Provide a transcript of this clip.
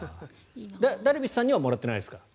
ダルビッシュさんにはもらってないですか？